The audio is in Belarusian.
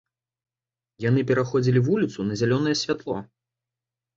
Яны пераходзілі вуліцу на зялёнае святло.